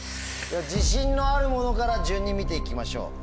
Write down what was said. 自信のあるものから順に見て行きましょう。